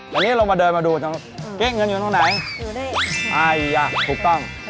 วันนี้เรามาเดินมาดูเอ๊ะเงินอยู่ตรงไหนอยู่นี่ไออ่ะถูกต้อง